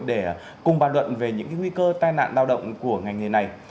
để cùng bàn luận về những nguy cơ tai nạn lao động của ngành nghề này